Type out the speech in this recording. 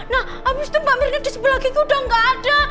nah abis itu mbak mirna di sebelah kiki udah gak ada